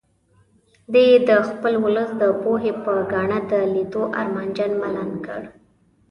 دی یې د خپل ولس د پوهې په ګاڼه د لیدو ارمانجن ملنګ کړ.